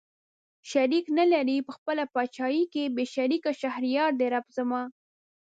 شريک نه لري په خپله پاچاهۍ کې بې شريکه شهريار دئ رب زما